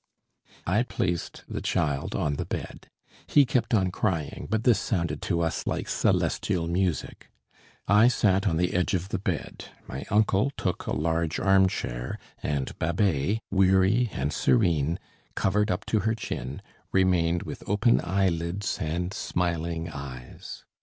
I placed the child on the bed. He kept on crying, but this sounded to us like celestial music. I sat on the edge of the bed, my uncle took a large arm chair, and Babet, weary and serene, covered up to her chin, remained with open eyelids and smiling eyes.